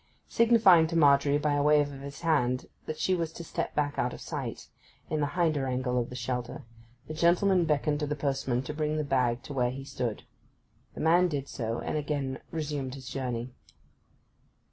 Signifying to Margery by a wave of his hand that she was to step back out of sight, in the hinder angle of the shelter, the gentleman beckoned to the postman to bring the bag to where he stood. The man did so, and again resumed his journey.